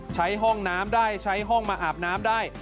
ใช้ห้องน้ำได้ใช้ห้องมาอาบน้ำได้